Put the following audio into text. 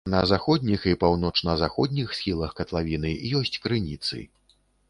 На заходніх і паўночна-заходніх схілах катлавіны ёсць крыніцы.